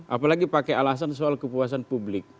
apalagi pakai alasan soal kepuasan publik